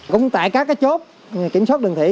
cũng tại các chốt kiểm soát đường thủy